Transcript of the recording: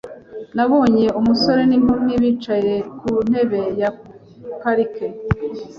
Nabonye umusore n'inkumi bicaye ku ntebe ya parike .